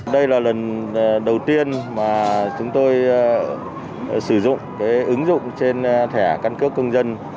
đây là lần đầu tiên mà chúng tôi sử dụng ứng dụng trên thẻ căn cước công dân